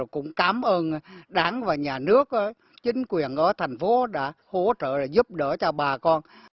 cũng cảm ơn đảng và nhà nước chính quyền ở thành phố đã hỗ trợ giúp đỡ cho bà con